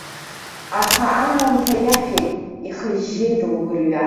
Аха аамҭа иафеит, ихыжьжьеит лгәырҩа.